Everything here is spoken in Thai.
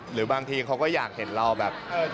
หรือบางทีเขาก็อยากเห็นเราแบบ